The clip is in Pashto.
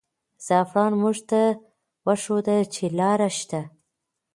زعفران موږ ته وښودل چې لاره شته.